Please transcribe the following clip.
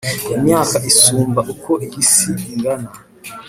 Imyaka isumba uko iyi si ingana